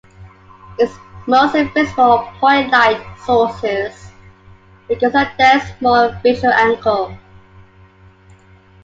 It is most visible on point light sources because of their small visual angle.